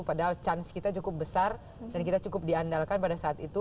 padahal chance kita cukup besar dan kita cukup diandalkan pada saat itu